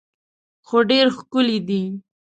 هو ډېر ښکلی دی.